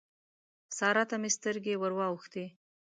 سارا ته مې سترګې ور واوښتې.